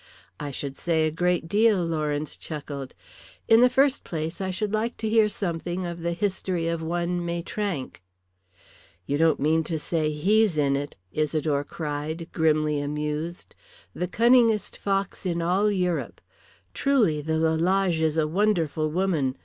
"I should say a great deal," Lawrence chuckled. "In the first place, I should like to hear something of the history of one Maitrank." "You don't mean to say he's in it!" Isidore cried, grimly amused. "The cunningest fox in all Europe. Truly the Lalage is a wonderful woman!